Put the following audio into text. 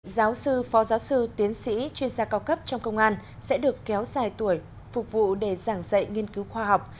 giáo sư phó giáo sư tiến sĩ chuyên gia cao cấp trong công an sẽ được kéo dài tuổi phục vụ để giảng dạy nghiên cứu khoa học